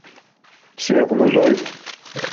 Сеиҟәнажәоит.